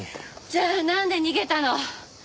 じゃあなんで逃げたの？